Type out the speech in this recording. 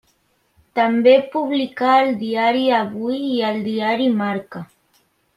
També publicà al Diari Avui i al diari Marca.